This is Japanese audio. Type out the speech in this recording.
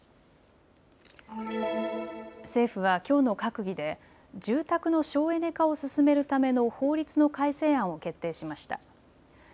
政府はきょうの閣議で住宅の省エネ化を進めるための法律の改正案を決定しました。